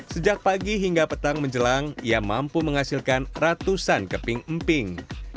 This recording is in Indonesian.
sejak pagi hingga petang menjelang ia mampu menghasilkan ratusan keping emping